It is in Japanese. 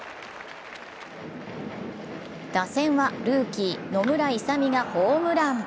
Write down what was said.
打線はルーキー・野村勇がホームラン。